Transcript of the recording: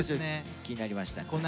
気になりました。